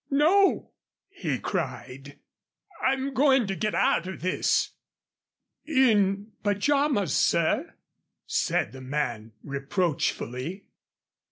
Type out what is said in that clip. "No," he cried. "I'm going to get out of this." "In pajamas, sir?" said the man, reproachfully.